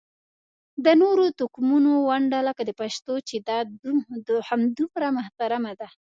د نورو توکمونو ونډه لکه د پښتنو چې ده همدومره محترمه ده.